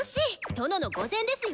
殿の御前ですよ！